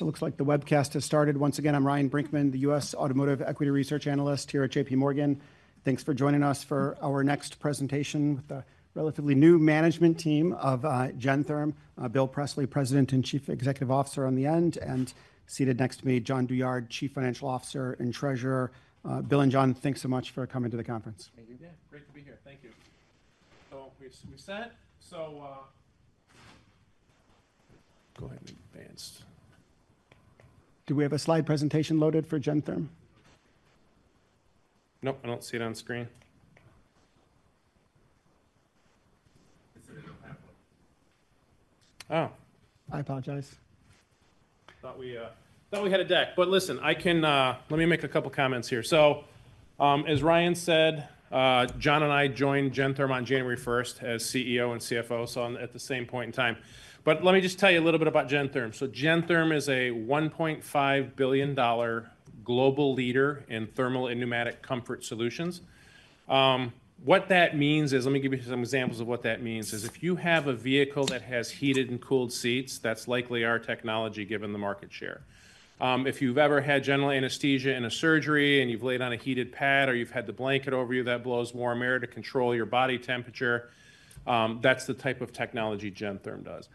It looks like the webcast has started. Once again, I'm Ryan Brinkman, the U.S. Automotive Equity Research Analyst here at JPMorgan. Thanks for joining us for our next presentation with a relatively new management team of Gentherm. Bill Presley, President and Chief Executive Officer on the end, and seated next to me, Jonathan Douyard, Chief Financial Officer and Treasurer. Bill and Jon, thanks so much for coming to the conference. Great to be here. Thank you. We've set. Go ahead and advance. Do we have a slide presentation loaded for Gentherm? Nope, I don't see it on screen. Oh. I apologize. Thought we had a deck. Listen, I can, let me make a couple of comments here. As Ryan said, Jon and I joined Gentherm on January 1st, 2024 as CEO and CFO, at the same point in time. Let me just tell you a little bit about Gentherm. Gentherm is a $1.5 billion global leader in thermal and pneumatic comfort solutions. What that means is, let me give you some examples of what that means. If you have a vehicle that has heated and cooled seats, that's likely our technology, given the market share. If you've ever had general anesthesia in a surgery and you've laid on a heated pad or you've had the blanket over you that blows warm air to control your body temperature, that's the type of technology Gentherm does.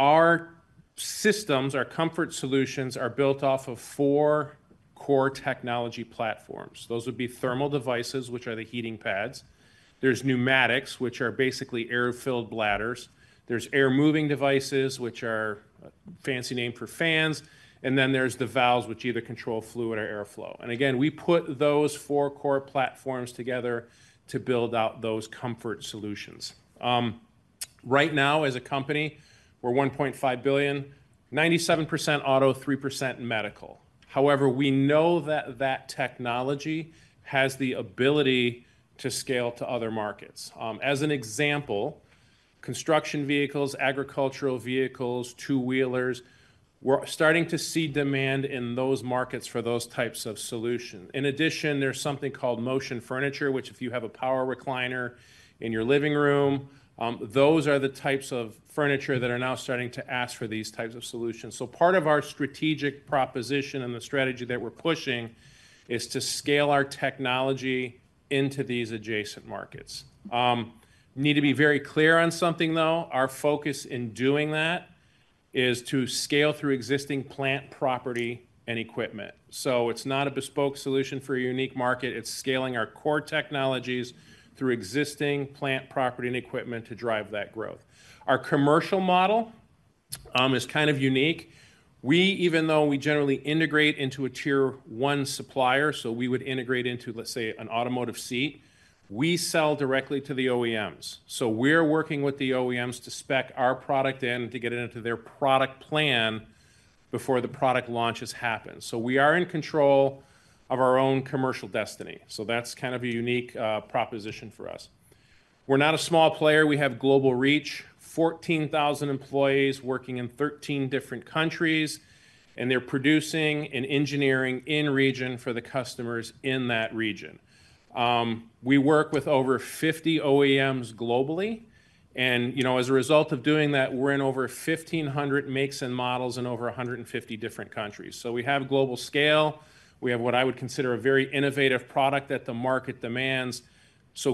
Our systems, our comfort solutions, are built off of four core technology platforms. Those would be thermal devices, which are the heating pads. There's pneumatics, which are basically air-filled bladders. There's air-moving devices, which are a fancy name for fans. Then there's the valves, which either control fluid or airflow. We put those four core platforms together to build out those comfort solutions. Right now, as a company, we're $1.5 billion, 97% auto, 3% medical. We know that that technology has the ability to scale to other markets. As an example, construction vehicles, agricultural vehicles, two-wheelers, we're starting to see demand in those markets for those types of solutions. In addition, there's something called motion furniture, which if you have a power recliner in your living room, those are the types of furniture that are now starting to ask for these types of solutions. Part of our strategic proposition and the strategy that we're pushing is to scale our technology into these adjacent markets. Need to be very clear on something, though. Our focus in doing that is to scale through existing plant property and equipment. It's not a bespoke solution for a unique market. It's scaling our core technologies through existing plant property and equipment to drive that growth. Our commercial model is kind of unique. Even though we generally integrate into a Tier 1 supplier, so we would integrate into, let's say, an automotive seat, we sell directly to the OEMs. We're working with the OEMs to spec our product in and to get it into their product plan before the product launches happen. We are in control of our own commercial destiny. That's kind of a unique proposition for us. We're not a small player. We have global reach, 14,000 employees working in 13 different countries, and they're producing and engineering in region for the customers in that region. We work with over 50 OEMs globally, and as a result of doing that, we're in over 1,500 makes and models in over 150 different countries. We have global scale. We have what I would consider a very innovative product that the market demands.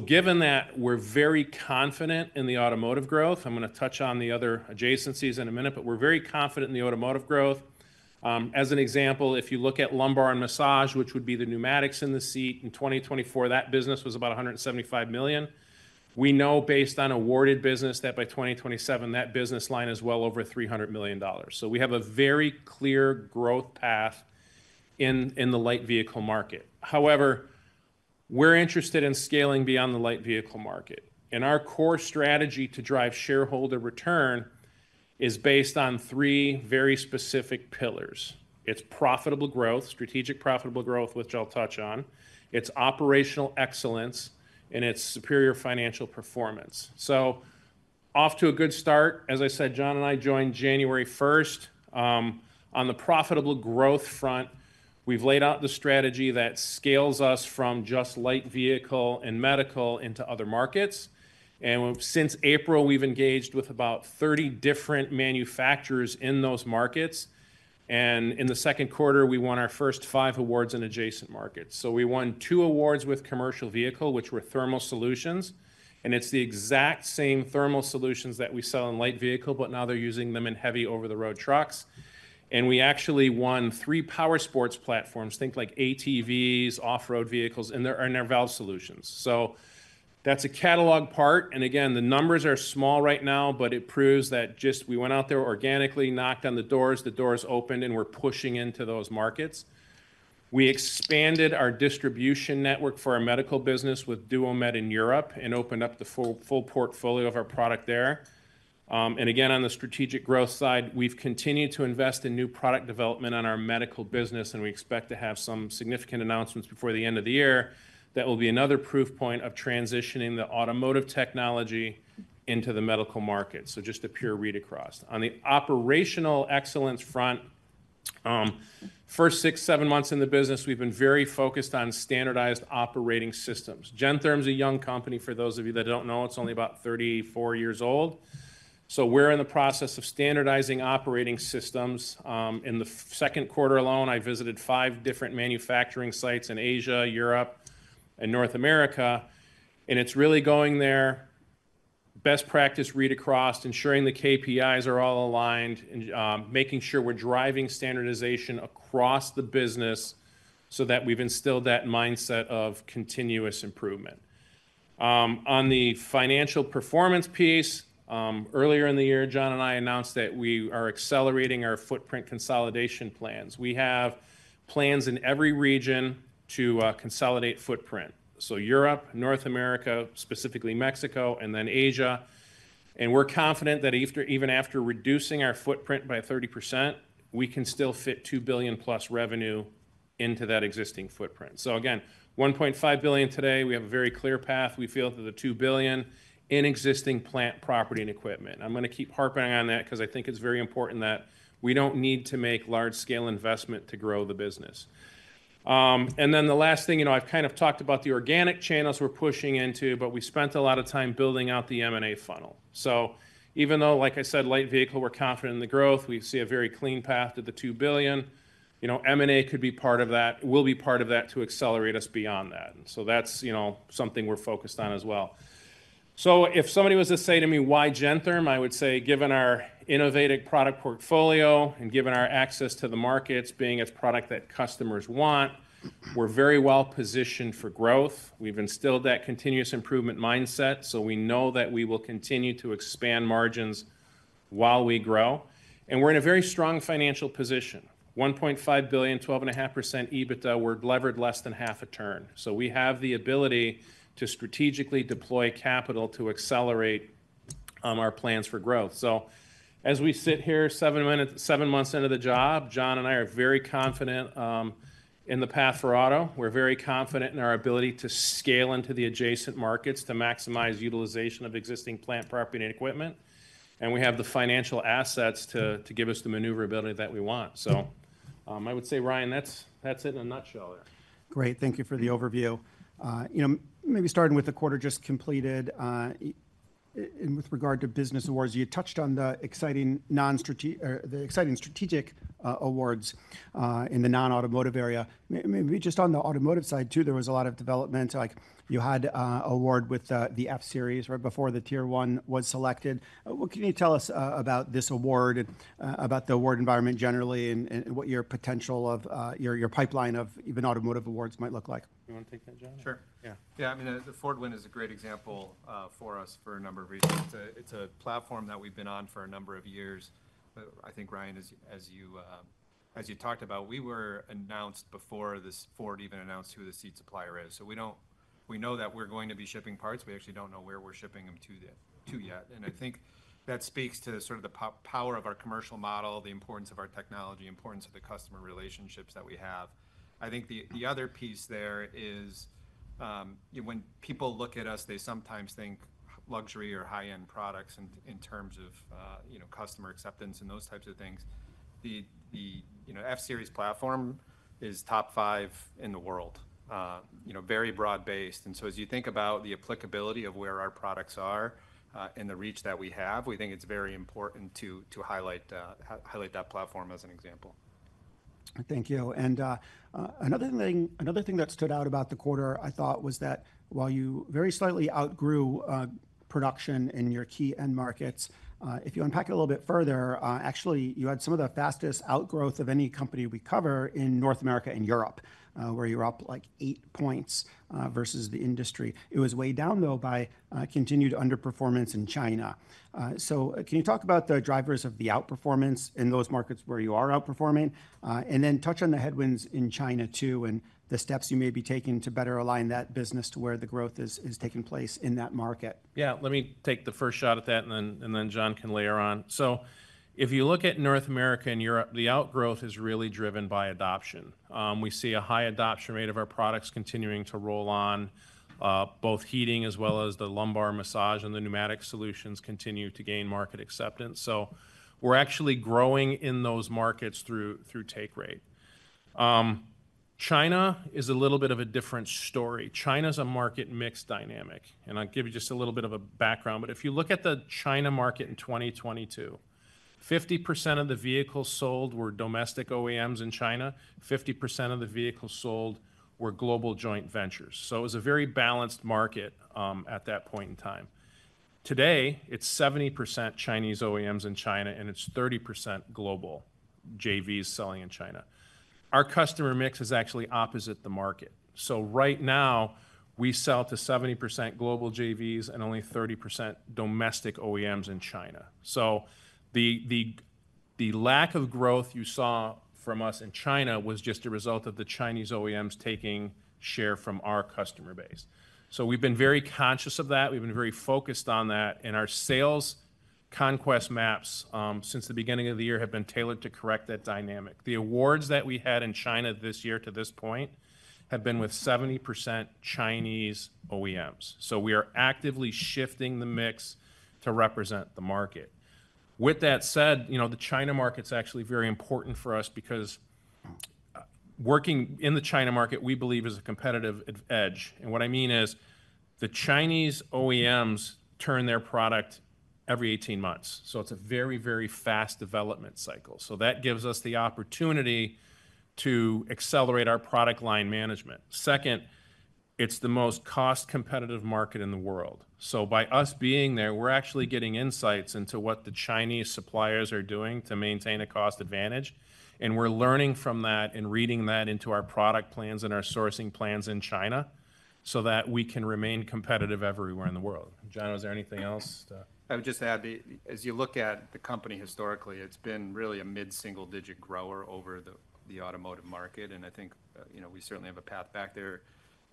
Given that, we're very confident in the automotive growth. I'm going to touch on the other adjacencies in a minute, but we're very confident in the automotive growth. As an example, if you look at lumbar and massage, which would be the pneumatics in the seat in 2024, that business was about $175 million. We know, based on awarded business, that by 2027, that business line is well over $300 million. We have a very clear growth path in the light vehicle market. However, we're interested in scaling beyond the light vehicle market. Our core strategy to drive shareholder return is based on three very specific pillars. It's profitable growth, strategic profitable growth, which I'll touch on. It's operational excellence, and it's superior financial performance. Off to a good start. As I said, Jon and I joined January 1st. On the profitable growth front, we've laid out the strategy that scales us from just light vehicle and medical into other markets. Since April, we've engaged with about 30 different manufacturers in those markets. In the second quarter, we won our first five awards in adjacent markets. We won two awards with commercial vehicle, which were thermal solutions. It's the exact same thermal solutions that we sell in light vehicle, but now they're using them in heavy over-the-road trucks. We actually won three power sports platforms, think like ATVs, off-road vehicles, and their valve solutions. That's a catalog part. The numbers are small right now, but it proves that just we went out there organically, knocked on the doors, the doors opened, and we're pushing into those markets. We expanded our distribution network for our medical business with Duomed in Europe and opened up the full portfolio of our product there. On the strategic growth side, we've continued to invest in new product development on our medical business, and we expect to have some significant announcements before the end of the year that will be another proof point of transitioning the automotive technology into the medical market. Just a pure read across. On the operational excellence front, first six, seven months in the business, we've been very focused on standardized operating systems. Gentherm is a young company. For those of you that don't know, it's only about 34 years old. We're in the process of standardizing operating systems. In the second quarter alone, I visited five different manufacturing sites in Asia, Europe, and North America. It's really going there, best practice read across, ensuring the KPIs are all aligned, and making sure we're driving standardization across the business so that we've instilled that mindset of continuous improvement. On the financial performance piece, earlier in the year, Jon and I announced that we are accelerating our footprint consolidation plans. We have plans in every region to consolidate footprint. Europe, North America, specifically Mexico, and then Asia. We're confident that even after reducing our footprint by 30%, we can still fit $2+ billion revenue into that existing footprint. $1.5 billion today. We have a very clear path. We feel that the $2 billion in existing plant property and equipment. I'm going to keep harping on that because I think it's very important that we don't need to make large-scale investment to grow the business. The last thing, I've kind of talked about the organic channels we're pushing into, but we spent a lot of time building out the M&A funnel. Even though, like I said, light vehicle, we're confident in the growth, we see a very clean path to the $2 billion. M&A could be part of that, will be part of that to accelerate us beyond that. That's something we're focused on as well. If somebody was to say to me, why Gentherm? I would say, given our innovative product portfolio and given our access to the markets, being a product that customers want, we're very well positioned for growth. We've instilled that continuous improvement mindset. We know that we will continue to expand margins while we grow. We're in a very strong financial position. $1.5 billion, 12.5% EBITDA. We're levered less than half a turn. We have the ability to strategically deploy capital to accelerate our plans for growth. As we sit here, seven months into the job, Jon and I are very confident in the path for auto. We're very confident in our ability to scale into the adjacent markets to maximize utilization of existing plant property and equipment. We have the financial assets to give us the maneuverability that we want. I would say, Ryan, that's it in a nutshell there. Great. Thank you for the overview. Maybe starting with the quarter just completed and with regard to business awards, you touched on the exciting strategic awards in the non-automotive area. Maybe just on the automotive side, too, there was a lot of development. Like you had an award with the F-Series right before the Tier 1 was selected. What can you tell us about this award and about the award environment generally and what your potential of your pipeline of even automotive awards might look like? You want to take that, Jon? Sure. Yeah, the Ford win is a great example for us for a number of reasons. It's a platform that we've been on for a number of years. I think, Ryan, as you talked about, we were announced before Ford even announced who the seat supplier is. We know that we're going to be shipping parts. We actually don't know where we're shipping them to yet. I think that speaks to the power of our commercial model, the importance of our technology, the importance of the customer relationships that we have. The other piece there is, when people look at us, they sometimes think luxury or high-end products in terms of customer acceptance and those types of things. The F-Series platform is top five in the world, very broad-based. As you think about the applicability of where our products are and the reach that we have, we think it's very important to highlight that platform as an example. Thank you. Another thing that stood out about the quarter, I thought, was that while you very slightly outgrew production in your key end markets, if you unpack it a little bit further, actually, you had some of the fastest outgrowth of any company we cover in North America and Europe, where you're up like 8 points versus the industry. It was weighed down, though, by continued underperformance in China. Can you talk about the drivers of the outperformance in those markets where you are outperforming? Please touch on the headwinds in China, too, and the steps you may be taking to better align that business to where the growth is taking place in that market. Yeah, let me take the first shot at that, and then Jon can layer on. If you look at North America and Europe, the outgrowth is really driven by adoption. We see a high adoption rate of our products continuing to roll on. Both heating, as well as the lumbar massage and the pneumatic solutions, continue to gain market acceptance. We're actually growing in those markets through take rate. China is a little bit of a different story. China is a market mix dynamic. I'll give you just a little bit of a background. If you look at the China market in 2022, 50% of the vehicles sold were domestic OEMs in China. 50% of the vehicles sold were global joint ventures. It was a very balanced market at that point in time. Today, it's 70% Chinese OEMs in China, and it's 30% global JVs selling in China. Our customer mix is actually opposite the market. Right now, we sell to 70% global JVs and only 30% domestic OEMs in China. The lack of growth you saw from us in China was just a result of the Chinese OEMs taking share from our customer base. We've been very conscious of that. We've been very focused on that. Our sales conquest maps since the beginning of the year have been tailored to correct that dynamic. The awards that we had in China this year to this point have been with 70% Chinese OEMs. We are actively shifting the mix to represent the market. With that said, the China market is actually very important for us because working in the China market, we believe, is a competitive edge. What I mean is the Chinese OEMs turn their product every 18 months. It's a very, very fast development cycle. That gives us the opportunity to accelerate our product line management. Second, it's the most cost-competitive market in the world. By us being there, we're actually getting insights into what the Chinese suppliers are doing to maintain a cost advantage. We're learning from that and reading that into our product plans and our sourcing plans in China so that we can remain competitive everywhere in the world. Jon, is there anything else? I would just add, as you look at the company historically, it's been really a mid-single-digit grower over the automotive market. I think we certainly have a path back there.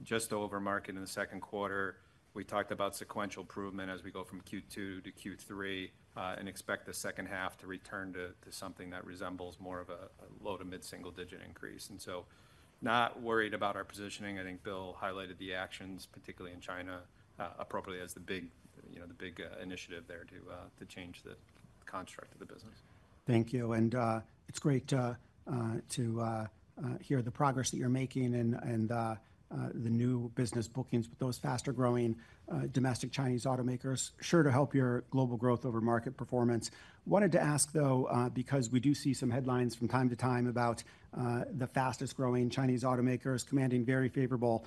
Just over market in the second quarter, we talked about sequential improvement as we go from Q2 to Q3 and expect the second half to return to something that resembles more of a low to mid-single-digit increase. Not worried about our positioning. I think Bill highlighted the actions, particularly in China, appropriately as the big initiative there to change the construct of the business. Thank you. It's great to hear the progress that you're making and the new business bookings with those faster-growing domestic Chinese automakers, sure to help your global growth over market performance. I wanted to ask, because we do see some headlines from time to time about the fastest growing Chinese automakers commanding very favorable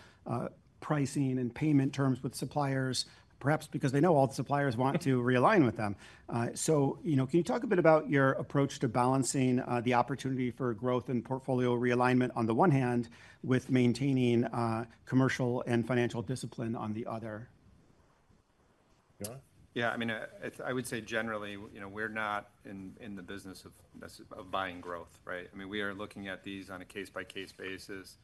pricing and payment terms with suppliers, perhaps because they know all the suppliers want to realign with them. Can you talk a bit about your approach to balancing the opportunity for growth and portfolio realignment on the one hand with maintaining commercial and financial discipline on the other? Yeah, I mean, I would say generally, you know, we're not in the business of buying growth, right? I mean, we are looking at these on a case-by-case basis,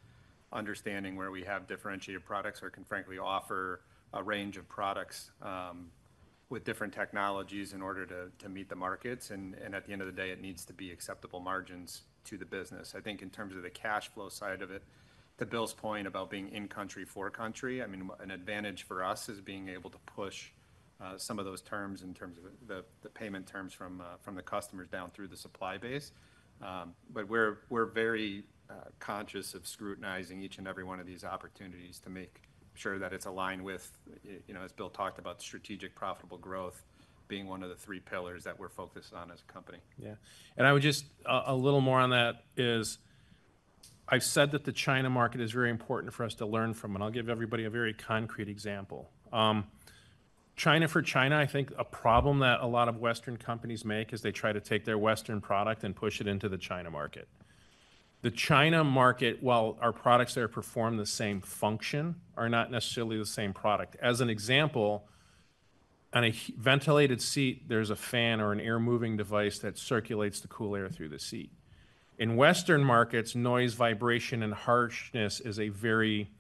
understanding where we have differentiated products or can frankly offer a range of products with different technologies in order to meet the markets. At the end of the day, it needs to be acceptable margins to the business. I think in terms of the cash flow side of it, to Bill's point about being in-country for country, an advantage for us is being able to push some of those terms in terms of the payment terms from the customers down through the supply base. We're very conscious of scrutinizing each and every one of these opportunities to make sure that it's aligned with, you know, as Bill talked about, strategic profitable growth being one of the three pillars that we're focused on as a company. I would just, a little more on that is I've said that the China market is very important for us to learn from. I'll give everybody a very concrete example. China for China, I think a problem that a lot of Western companies make is they try to take their Western product and push it into the China market. The China market, while our products there perform the same function, are not necessarily the same product. As an example, on a ventilated seat, there's a fan or an air-moving device that circulates the cool air through the seat. In Western markets, noise, vibration, and harshness is a very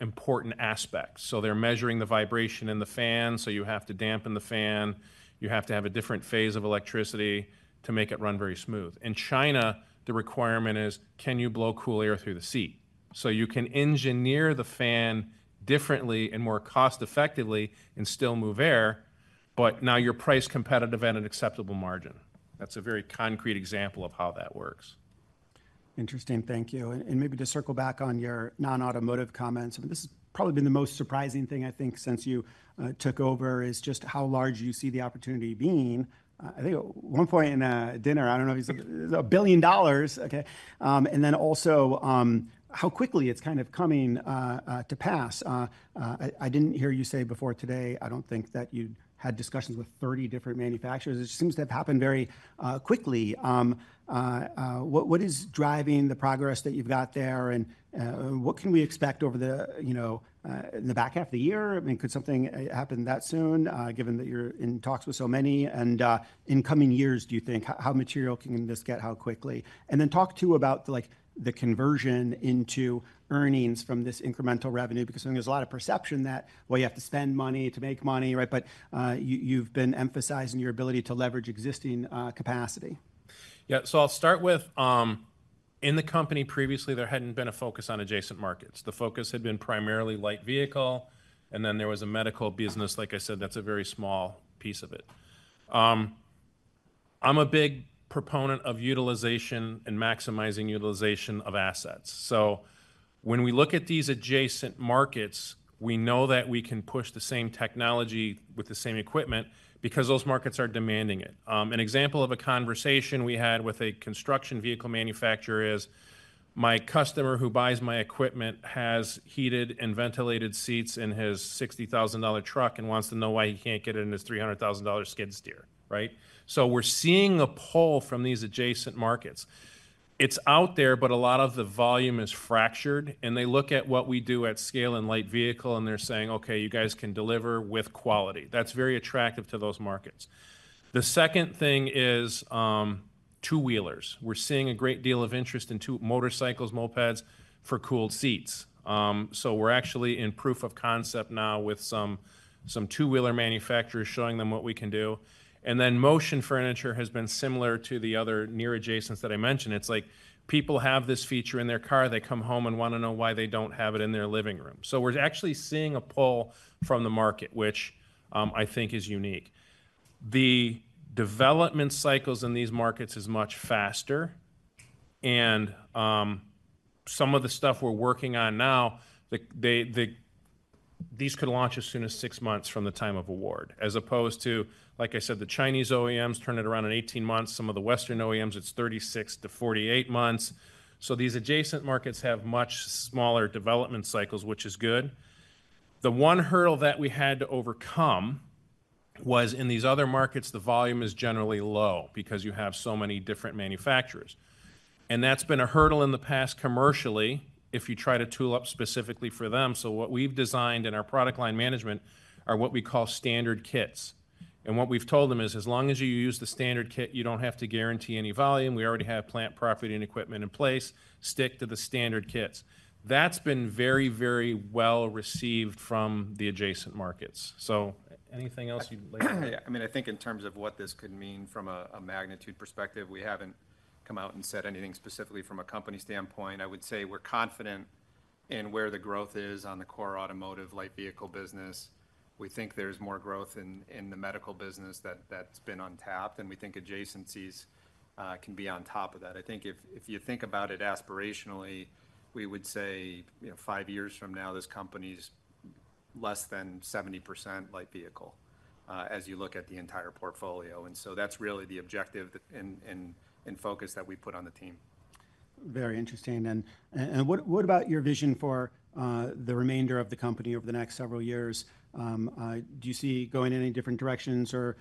important aspect. They're measuring the vibration in the fan. You have to dampen the fan. You have to have a different phase of electricity to make it run very smooth. In China, the requirement is, can you blow cool air through the seat? You can engineer the fan differently and more cost-effectively and still move air, but now you're price competitive at an acceptable margin. That's a very concrete example of how that works. Interesting. Thank you. Maybe to circle back on your non-automotive comments, this has probably been the most surprising thing I think since you took over is just how large you see the opportunity being. I think at one point in a dinner, I don't know if you said a billion dollars. OK. Also, how quickly it's kind of coming to pass. I didn't hear you say before today, I don't think that you had discussions with 30 different manufacturers. It seems to have happened very quickly. What is driving the progress that you've got there? What can we expect over the back half of the year? I mean, could something happen that soon given that you're in talks with so many? In coming years, do you think how material can this get how quickly? Talk too about the conversion into earnings from this incremental revenue because I think there's a lot of perception that, well, you have to spend money to make money, right? You've been emphasizing your ability to leverage existing capacity. Yeah, I'll start with in the company previously, there hadn't been a focus on adjacent markets. The focus had been primarily light vehicle. There was a medical business, like I said, that's a very small piece of it. I'm a big proponent of utilization and maximizing utilization of assets. When we look at these adjacent markets, we know that we can push the same technology with the same equipment because those markets are demanding it. An example of a conversation we had with a construction vehicle manufacturer is my customer who buys my equipment has heated and ventilated seats in his $60,000 truck and wants to know why he can't get it in his $300,000 skid steer, right? We're seeing a pull from these adjacent markets. It's out there, but a lot of the volume is fractured. They look at what we do at scale in light vehicle, and they're saying, OK, you guys can deliver with quality. That's very attractive to those markets. The second thing is two-wheelers. We're seeing a great deal of interest in motorcycles, mopeds for cooled seats. We're actually in proof of concept now with some two-wheeler manufacturers showing them what we can do. Motion furniture has been similar to the other near adjacents that I mentioned. It's like people have this feature in their car. They come home and want to know why they don't have it in their living room. We're actually seeing a pull from the market, which I think is unique. The development cycles in these markets are much faster. Some of the stuff we're working on now, these could launch as soon as six months from the time of award, as opposed to, like I said, the Chinese OEMs turn it around in 18 months. Some of the Western OEMs, it's 36-48 months. These adjacent markets have much smaller development cycles, which is good. The one hurdle that we had to overcome was in these other markets, the volume is generally low because you have so many different manufacturers. That's been a hurdle in the past commercially if you try to tool up specifically for them. What we've designed in our product line management are what we call standard kits. What we've told them is as long as you use the standard kit, you don't have to guarantee any volume. We already have plant property and equipment in place. Stick to the standard kits. That's been very, very well received from the adjacent markets. Anything else you'd like to say? I mean, I think in terms of what this could mean from a magnitude perspective, we haven't come out and said anything specifically from a company standpoint. I would say we're confident in where the growth is on the core automotive light vehicle business. We think there's more growth in the medical business that's been untapped. We think adjacencies can be on top of that. I think if you think about it aspirationally, we would say, you know, five years from now, this company's less than 70% light vehicle as you look at the entire portfolio. That's really the objective and focus that we put on the team. Very interesting. What about your vision for the remainder of the company over the next several years? Do you see going in any different directions or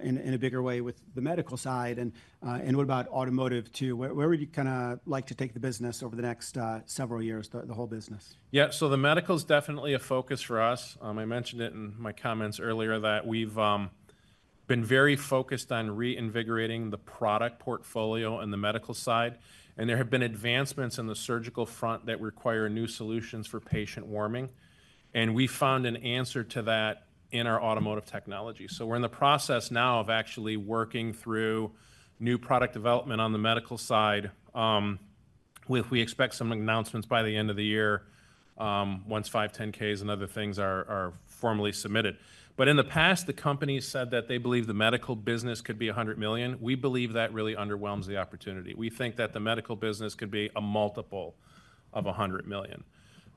in a bigger way with the medical side? What about automotive, too? Where would you kind of like to take the business over the next several years, the whole business? Yeah, the medical is definitely a focus for us. I mentioned it in my comments earlier that we've been very focused on reinvigorating the product portfolio on the medical side. There have been advancements in the surgical front that require new solutions for patient warming. We found an answer to that in our automotive technology. We're in the process now of actually working through new product development on the medical side. We expect some announcements by the end of the year once 510(k)s and other things are formally submitted. In the past, the company said that they believe the medical business could be $100 million. We believe that really underwhelms the opportunity. We think that the medical business could be a multiple of $100 million.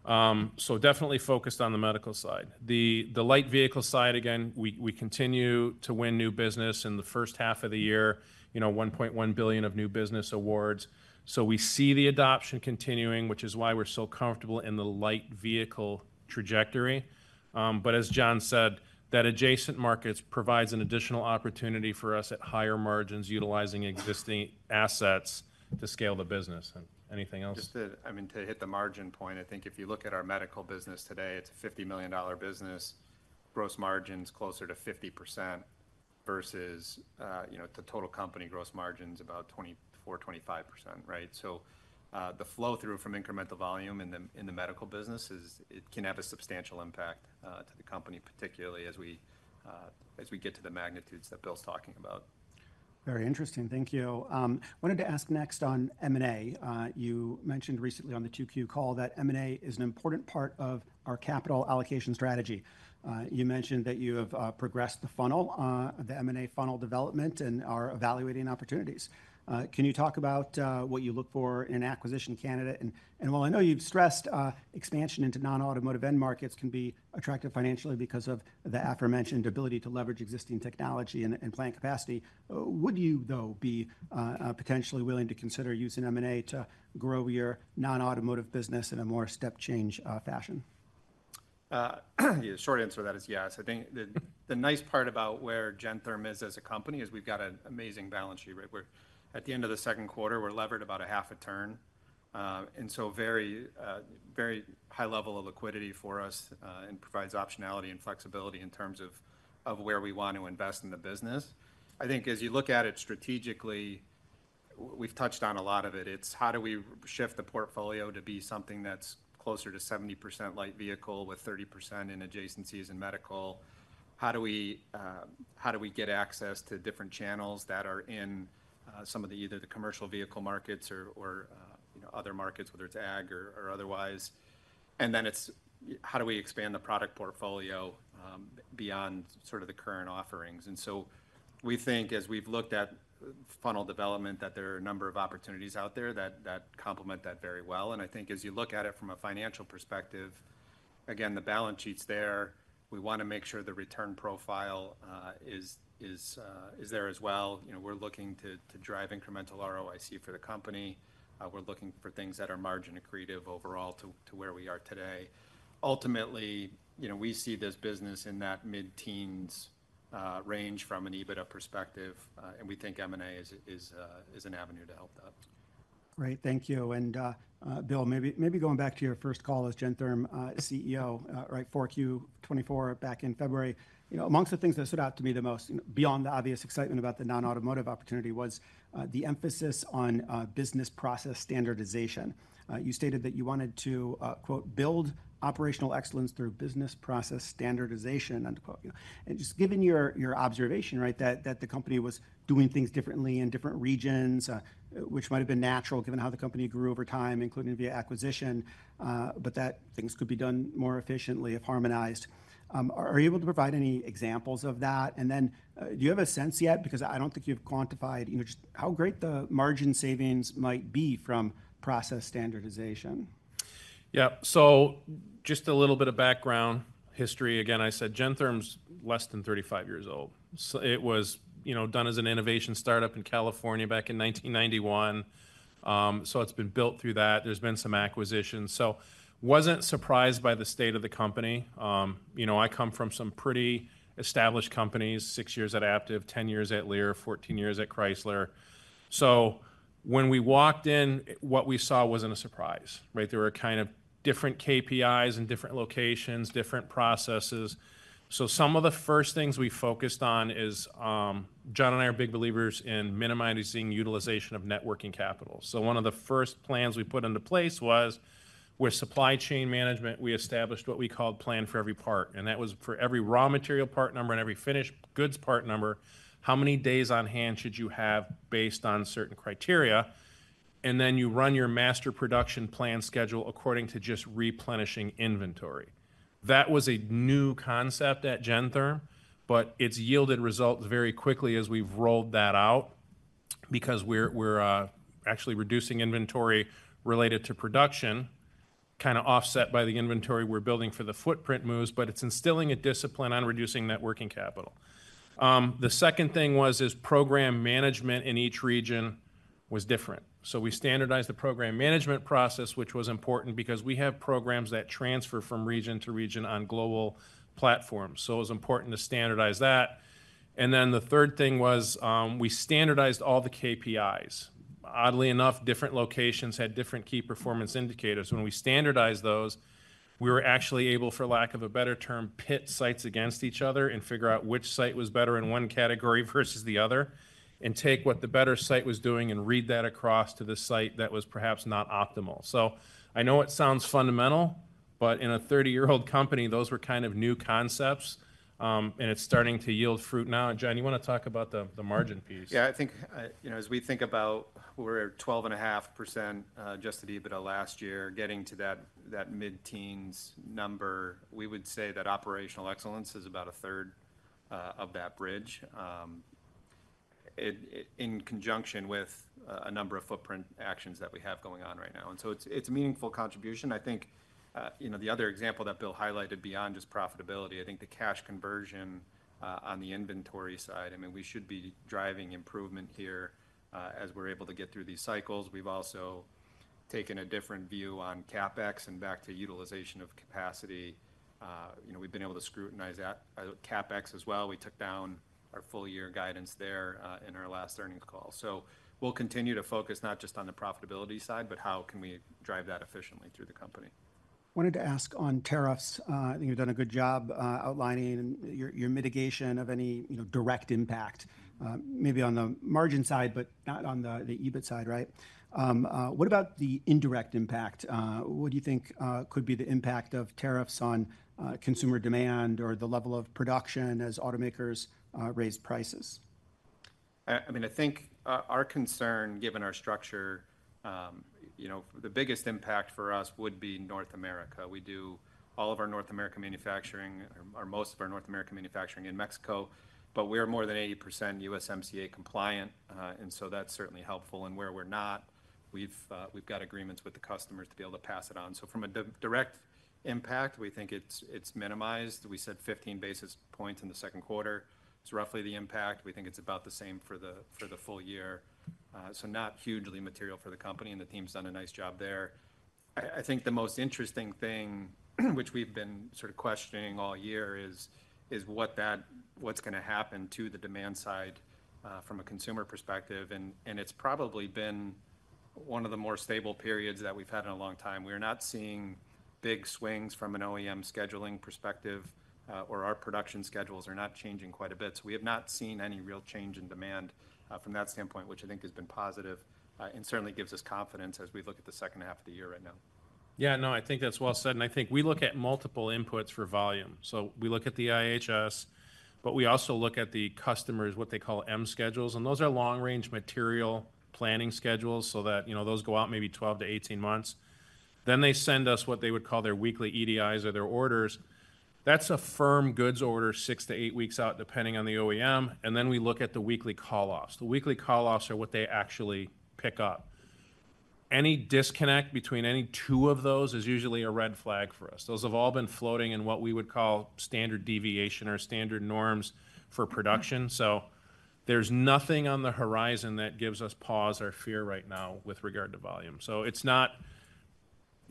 Definitely focused on the medical side. The light vehicle side, again, we continue to win new business in the first half of the year, $1.1 billion of new business awards. We see the adoption continuing, which is why we're so comfortable in the light vehicle trajectory. As Jon said, that adjacent market provides an additional opportunity for us at higher margins utilizing existing assets to scale the business. Anything else? To hit the margin point, I think if you look at our medical business today, it's a $50 million business. Gross margin is closer to 50% versus the total company gross margin is about 24%, 25%, right? The flow through from incremental volume in the medical business can have a substantial impact to the company, particularly as we get to the magnitudes that Bill's talking about. Very interesting. Thank you. I wanted to ask next on M&A. You mentioned recently on the Q2 call that M&A is an important part of our capital allocation strategy. You mentioned that you have progressed the funnel, the M&A funnel development, and are evaluating opportunities. Can you talk about what you look for in an acquisition candidate? While I know you've stressed expansion into non-automotive end markets can be attractive financially because of the aforementioned ability to leverage existing technology and plant capacity, would you, though, be potentially willing to consider using M&A to grow your non-automotive business in a more step-change fashion? The short answer to that is yes. I think the nice part about where Gentherm is as a company is we've got an amazing balance sheet, right? At the end of the second quarter, we're levered about a half a turn. Very, very high level of liquidity for us and provides optionality and flexibility in terms of where we want to invest in the business. I think as you look at it strategically, we've touched on a lot of it. It's how do we shift the portfolio to be something that's closer to 70% light vehicle with 30% in adjacencies in medical? How do we get access to different channels that are in some of the either the commercial vehicle markets or other markets, whether it's ag or otherwise? It's how do we expand the product portfolio beyond sort of the current offerings? We think, as we've looked at funnel development, that there are a number of opportunities out there that complement that very well. I think as you look at it from a financial perspective, again, the balance sheet's there. We want to make sure the return profile is there as well. We're looking to drive incremental ROIC for the company. We're looking for things that are margin accretive overall to where we are today. Ultimately, we see this business in that mid-teens range from an EBITDA perspective. We think M&A is an avenue to help that. Great. Thank you. Bill, maybe going back to your first call as Gentherm CEO, right, 4Q 2024 back in February, amongst the things that stood out to me the most, beyond the obvious excitement about the non-automotive opportunity, was the emphasis on business process standardization. You stated that you wanted to, quote, "build operational excellence through business process standardization." Given your observation that the company was doing things differently in different regions, which might have been natural given how the company grew over time, including via acquisition, things could be done more efficiently if harmonized. Are you able to provide any examples of that? Do you have a sense yet? I don't think you've quantified just how great the margin savings might be from process standardization. Yeah, so just a little bit of background history. Again, I said Gentherm's less than 35 years old. It was, you know, done as an innovation startup in California back in 1991. It's been built through that. There's been some acquisitions. I wasn't surprised by the state of the company. I come from some pretty established companies, six years at Aptiv, 10 years at Lear, 14 years at Chrysler. When we walked in, what we saw wasn't a surprise, right? There were kind of different KPIs in different locations, different processes. Some of the first things we focused on is, Jon and I are big believers in minimizing utilization of networking capital. One of the first plans we put into place was with supply chain management, we established what we called plan for every part. That was for every raw material part number and every finished goods part number, how many days on hand should you have based on certain criteria? Then you run your master production plan schedule according to just replenishing inventory. That was a new concept at Gentherm, but it's yielded results very quickly as we've rolled that out because we're actually reducing inventory related to production, kind of offset by the inventory we're building for the footprint moves, but it's instilling a discipline on reducing networking capital. The second thing was program management in each region was different. We standardized the program management process, which was important because we have programs that transfer from region to region on global platforms. It was important to standardize that. The third thing was we standardized all the KPIs. Oddly enough, different locations had different key performance indicators. When we standardized those, we were actually able, for lack of a better term, to pit sites against each other and figure out which site was better in one category versus the other and take what the better site was doing and read that across to the site that was perhaps not optimal. I know it sounds fundamental, but in a 30-year-old company, those were kind of new concepts. It's starting to yield fruit now. Jon, you want to talk about the margin piece? Yeah, I think, you know, as we think about we're at 12.5% adjusted EBITDA last year, getting to that mid-teens number, we would say that operational excellence is about a 1/3 of that bridge in conjunction with a number of footprint actions that we have going on right now. It's a meaningful contribution. I think the other example that Bill highlighted beyond just profitability, I think the cash conversion on the inventory side, we should be driving improvement here as we're able to get through these cycles. We've also taken a different view on CapEx and back to utilization of capacity. We've been able to scrutinize CapEx as well. We took down our full-year guidance there in our last earnings call. We'll continue to focus not just on the profitability side, but how can we drive that efficiently through the company? I wanted to ask on tariffs. I think you've done a good job outlining your mitigation of any direct impact, maybe on the margin side, but not on the EBIT side, right? What about the indirect impact? What do you think could be the impact of tariffs on consumer demand or the level of production as automakers raise prices? I mean, I think our concern, given our structure, the biggest impact for us would be North America. We do all of our North American manufacturing, or most of our North American manufacturing, in Mexico, but we're more than 80% USMCA compliant. That's certainly helpful. Where we're not, we've got agreements with the customers to be able to pass it on. From a direct impact, we think it's minimized. We said 15 basis points in the second quarter. It's roughly the impact. We think it's about the same for the full year. Not hugely material for the company, and the team's done a nice job there. I think the most interesting thing, which we've been sort of questioning all year, is what's going to happen to the demand side from a consumer perspective. It's probably been one of the more stable periods that we've had in a long time. We are not seeing big swings from an OEM scheduling perspective, or our production schedules are not changing quite a bit. We have not seen any real change in demand from that standpoint, which I think has been positive and certainly gives us confidence as we look at the second half of the year right now. Yeah, no, I think that's well said. I think we look at multiple inputs for volume. We look at the IHS, but we also look at the customers, what they call M-schedules. Those are long-range material planning schedules. Those go out maybe 12-18 months. They send us what they would call their weekly EDIs or their orders. That's a firm goods order 6-8 weeks out, depending on the OEM. We look at the weekly call-offs. The weekly call-offs are what they actually pick up. Any disconnect between any two of those is usually a red flag for us. Those have all been floating in what we would call standard deviation or standard norms for production. There's nothing on the horizon that gives us pause or fear right now with regard to volume. It's not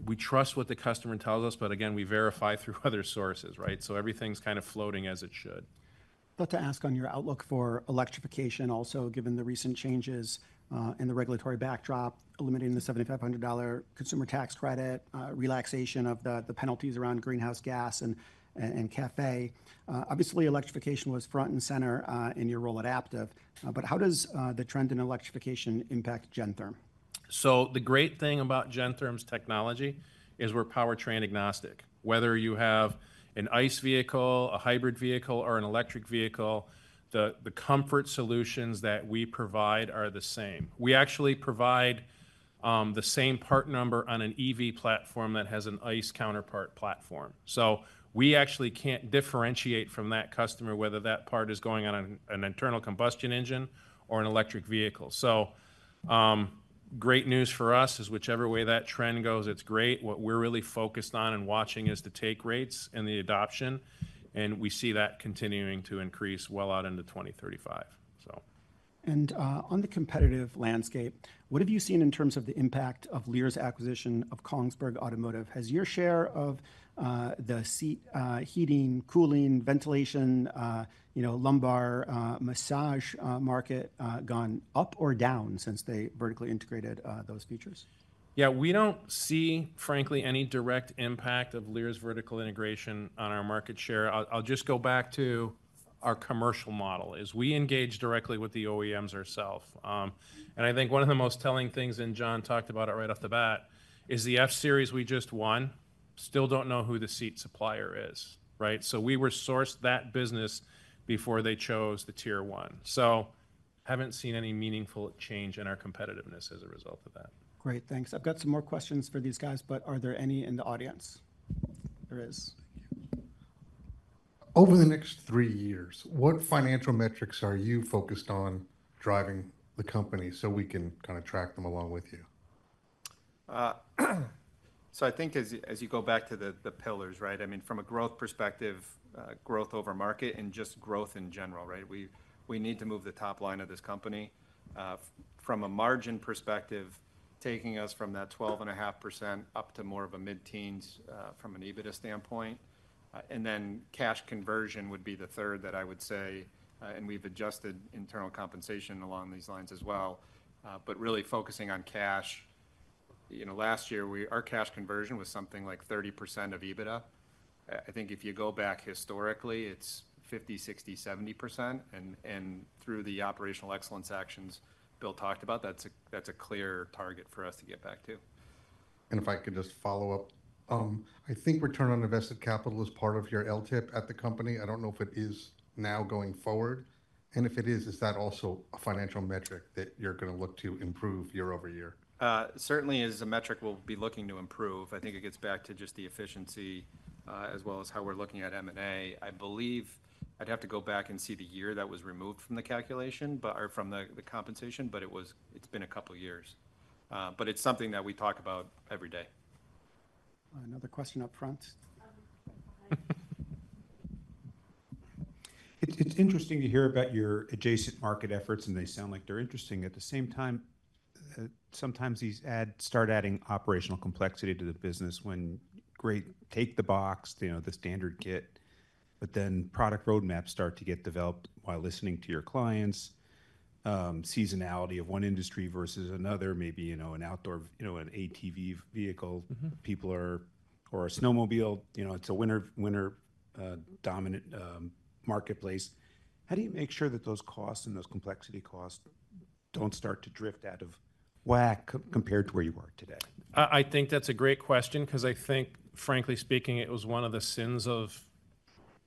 we trust what the customer tells us, but again, we verify through other sources, right? Everything's kind of floating as it should. I'd like to ask on your outlook for electrification, also given the recent changes in the regulatory backdrop, eliminating the $7,500 consumer tax credit, relaxation of the penalties around greenhouse gas and CAFE. Obviously, electrification was front and center in your role at Aptiv. How does the trend in electrification impact Gentherm? The great thing about Gentherm's technology is we're powertrain agnostic. Whether you have an ICE vehicle, a hybrid vehicle, or an electric vehicle, the comfort solutions that we provide are the same. We actually provide the same part number on an EV platform that has an ICE counterpart platform. We actually can't differentiate from that customer whether that part is going on an internal combustion engine or an electric vehicle. Great news for us is whichever way that trend goes, it's great. What we're really focused on and watching is the take rates and the adoption. We see that continuing to increase well out into 2035. On the competitive landscape, what have you seen in terms of the impact of Lear's acquisition of Kongsberg Automotive? Has your share of the seat heating, cooling, ventilation, lumbar massage market gone up or down since they vertically integrated those features? Yeah, we don't see, frankly, any direct impact of Lear's vertical integration on our market share. I'll just go back to our commercial model, as we engage directly with the OEMs ourselves. I think one of the most telling things, and Jon talked about it right off the bat, is the F-Series we just won. Still don't know who the seat supplier is, right? We were sourced that business before they chose the Tier 1. I haven't seen any meaningful change in our competitiveness as a result of that. Great. Thanks. I've got some more questions for these guys, but are there any in the audience? There is. Over the next three years, what financial metrics are you focused on driving the company so we can kind of track them along with you? I think as you go back to the pillars, right? I mean, from a growth perspective, growth over market and just growth in general, right? We need to move the top line of this company. From a margin perspective, taking us from that 12.5% up to more of a mid-teens from an EBITDA standpoint. Cash conversion would be the third that I would say, and we've adjusted internal compensation along these lines as well. Really focusing on cash, you know, last year, our cash conversion was something like 30% of EBITDA. I think if you go back historically, it's 50%, 60%, 70%. Through the operational excellence actions Bill talked about, that's a clear target for us to get back to. If I could just follow up, I think return on invested capital is part of your LTIP at the company. I don't know if it is now going forward. If it is, is that also a financial metric that you're going to look to improve year over year? Certainly, it is a metric we'll be looking to improve. I think it gets back to just the efficiency as well as how we're looking at M&A. I believe I'd have to go back and see the year that was removed from the calculation or from the compensation. It's been a couple of years. It is something that we talk about every day. Another question up front. It's interesting to hear about your adjacent market efforts, and they sound like they're interesting. At the same time, sometimes these adds start adding operational complexity to the business when great take the box, you know, the standard kit, but then product roadmaps start to get developed while listening to your clients. Seasonality of one industry versus another, maybe, you know, an outdoor, you know, an ATV vehicle, people are, or a snowmobile, you know, it's a winter-dominant marketplace. How do you make sure that those costs and those complexity costs don't start to drift out of whack compared to where you are today? I think that's a great question because, frankly speaking, it was one of the sins of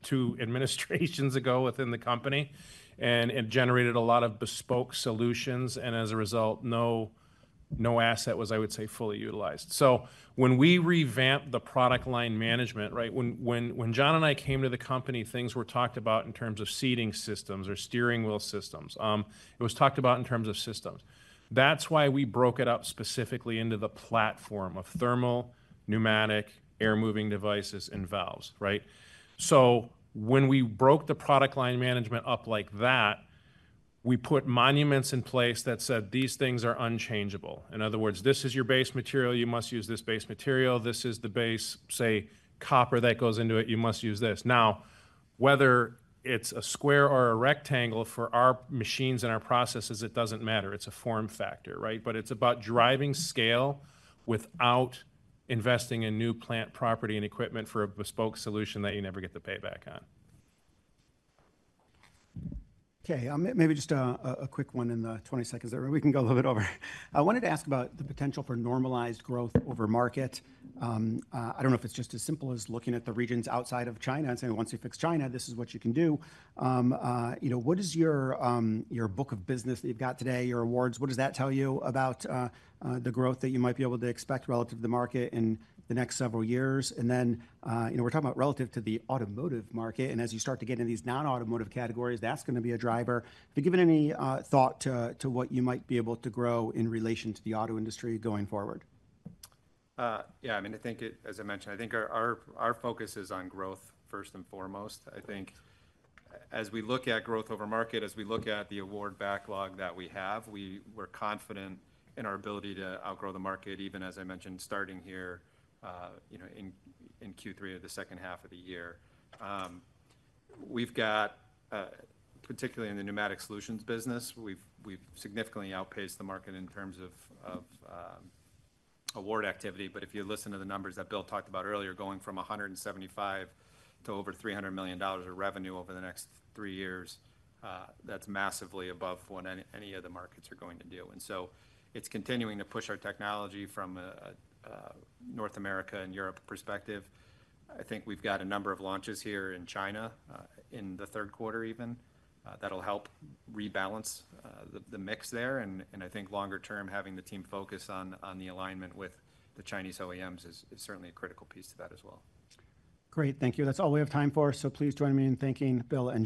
two administrations ago within the company. It generated a lot of bespoke solutions. As a result, no asset was, I would say, fully utilized. When we revamped the product line management, when Jon and I came to the company, things were talked about in terms of seating systems or steering wheel systems. It was talked about in terms of system. That's why we broke it up specifically into the platform of thermal, pneumatic, air-moving devices, and valves. When we broke the product line management up like that, we put monuments in place that said these things are unchangeable. In other words, this is your base material. You must use this base material. This is the base, say, copper that goes into it. You must use this. Now, whether it's a square or a rectangle for our machines and our processes, it doesn't matter. It's a form factor, but it's about driving scale without investing in new plant property and equipment for a bespoke solution that you never get the payback on. OK, maybe just a quick one in the 20 seconds there. We can go a little bit over. I wanted to ask about the potential for normalized growth over markets. I don't know if it's just as simple as looking at the regions outside of China and saying, once you fix China, this is what you can do. What is your book of business that you've got today, your awards? What does that tell you about the growth that you might be able to expect relative to the market in the next several years? We're talking about relative to the automotive market. As you start to get into these non-automotive categories, that's going to be a driver. Have you given any thought to what you might be able to grow in relation to the auto industry going forward? Yeah, I mean, I think, as I mentioned, I think our focus is on growth first and foremost. I think as we look at growth over market, as we look at the award backlog that we have, we're confident in our ability to outgrow the market, even as I mentioned, starting here, you know, in Q3 of the second half of the year. We've got, particularly in the pneumatic solutions business, we've significantly outpaced the market in terms of award activity. If you listen to the numbers that Bill talked about earlier, going from $175 million to over $300 million of revenue over the next three years, that's massively above what any of the markets are going to do. It's continuing to push our technology from a North America and Europe perspective. I think we've got a number of launches here in China in the third quarter even. That'll help rebalance the mix there. I think longer term, having the team focus on the alignment with the Chinese OEMs is certainly a critical piece to that as well. Great. Thank you. That's all we have time for. Please join me in thanking Bill and Jon.